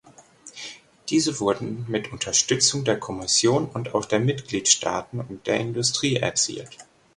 Diese wurden mit Unterstützung der Kommission und auch der Mitgliedstaaten und der Industrie erzielt.